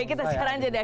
oke kita sekarang aja deh